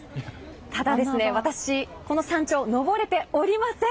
ただ、私、この山頂登れておりません。